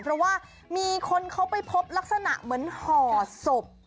เพราะว่ามีคนเขาไปพบลักษณะเหมือนห่อศพ